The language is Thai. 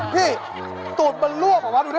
พี่ตูดมันร่วบหรือเปล่าดูดิ